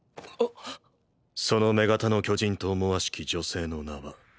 その女型の巨人と思わしき女性の名は。